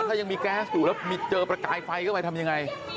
เขาก็ทำมาหนาทนทานในระดับหนึ่งเลย